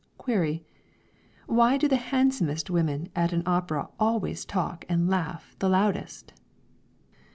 Query? Why do the handsomest women at an opera always talk and laugh the loudest?